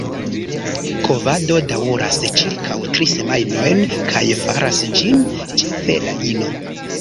Kovado daŭras ĉirkaŭ tri semajnojn kaj faras ĝin ĉefe la ino.